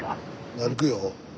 歩くよ。